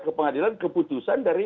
ke pengadilan keputusan dari